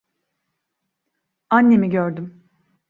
Annemi gördüm.